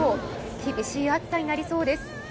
厳しい暑さになりそうです。